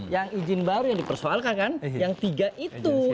yang izin baru yang dipersoalkan kan yang tiga itu